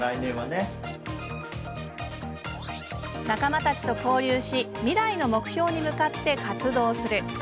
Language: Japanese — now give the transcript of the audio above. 仲間たちと交流し未来の目標に向かって活動する。